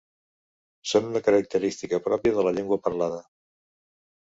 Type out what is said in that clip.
Són una característica pròpia de la llengua parlada.